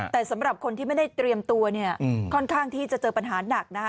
แต่สำหรับคนที่ไม่ได้เตรียมตัวเนี่ยค่อนข้างที่จะเจอปัญหาหนักนะคะ